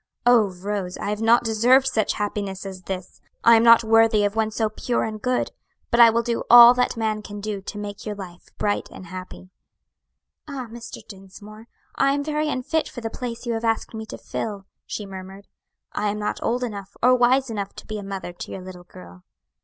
"Oh, Rose! I have not deserved such happiness as this! I am not worthy of one so pure and good. But I will do all that man can do to make your life bright and happy." "Ah, Mr. Dinsmore! I am very unfit for the place you have asked me to fill," she murmured. "I am not old enough, or wise enough to be a mother to your little girl."